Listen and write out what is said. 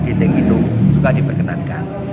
di link itu juga diperkenankan